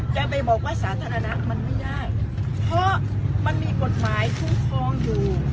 จะไปบอกว่าสาธารณะมันไม่ได้เพราะมันมีกฎหมายคุ้มครองอยู่